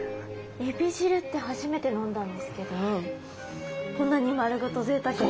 エビ汁って初めて飲んだんですけどこんなに丸ごとぜいたくな。